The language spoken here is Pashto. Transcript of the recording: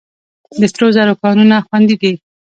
د سرو زرو کانونه خوندي دي؟